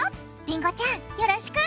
りんごちゃんよろしく！